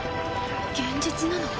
現実なの？